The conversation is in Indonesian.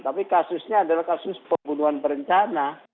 tapi kasusnya adalah kasus pembunuhan berencana